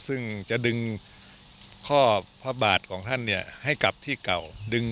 ซึ่งจะดึงข้อพระบาทของท่านเนี่ยให้กลับที่เก่า